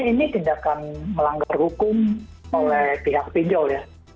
ini tindakan melanggar hukum oleh pihak pinjol ya